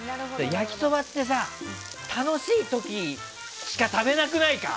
焼きそばってさ、楽しい時しか食べなくないか？